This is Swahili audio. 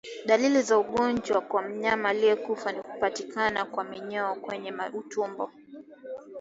Dalili za ugonjwa kwa mnyama aliyekufa ni kupatikana kwa minyoo kwenye utumbo